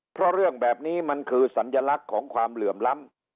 เพราะเรื่องแบบนี้มันคือสัญลักษณ์ของความเหลื่อมล้ำ